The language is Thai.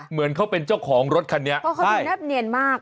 เหมือนเขาเป็นเจ้าของรถคันนี้เพราะเขาดูแนบเนียนมาก